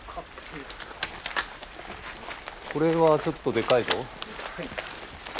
これはちょっとでかいぞ。